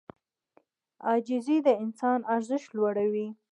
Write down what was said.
عاجزي د انسان ارزښت لوړوي.